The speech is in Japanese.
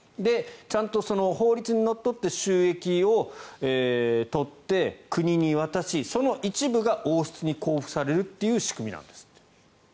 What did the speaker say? ちゃんとその法律にのっとって収益を取って国に渡し、その一部が王室に交付されるという仕組みなんですって。